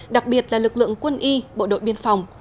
đặc biệt là lực lượng quân y bộ đội biên phòng